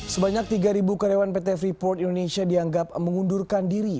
sebanyak tiga karyawan pt freeport indonesia dianggap mengundurkan diri